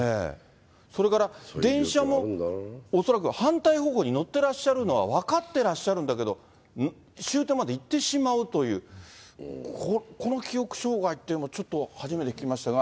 それから電車も、恐らく反対方向に乗ってらっしゃるのは分かってらっしゃるんだけど、終点まで行ってしまうという、この記憶障害っていうのもちょっと初めて聞きましたが。